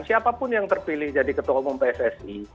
siapapun yang terpilih jadi ketua umum pssi